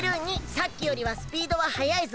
さっきよりはスピードははやいぞ。